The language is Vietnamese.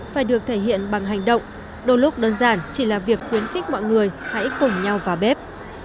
phải được thể hiện bằng hành động đôi lúc đơn giản chỉ là việc khuyến khích mọi người hãy cùng nhau vào bếp